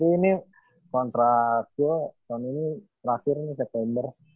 tapi ini kontrak gue tahun ini terakhir nih september